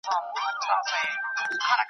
ځوانان له سیالیو خوند اخلي.